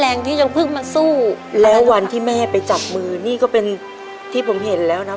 แรงที่ยังเพิ่งมาสู้แล้ววันที่แม่ไปจับมือนี่ก็เป็นที่ผมเห็นแล้วนะ